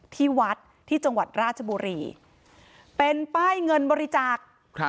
ที่วัดที่จังหวัดราชบุรีเป็นป้ายเงินบริจาคครับ